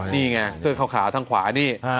นี่ไงเสื้อขาวทางขวานี่